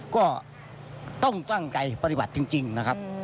ก็ต้องตั้งใจปฏิบัติจริงนะครับ